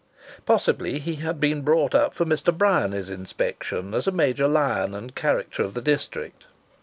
Possibly he had been brought up for Mr. Bryany's inspection as a major lion and character of the district.